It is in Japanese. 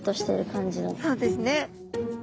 そうですね。